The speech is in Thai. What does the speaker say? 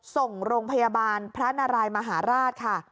ส่งโรงพยาบาลพระนารายมหาราชค่ะ